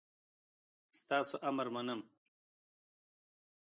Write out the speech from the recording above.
ستاسو امر منم